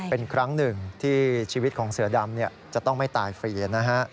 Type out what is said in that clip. เป็นครั้งหนึ่งที่ชีวิตของเสือดำจะต้องไม่ตายฟรีนะฮะ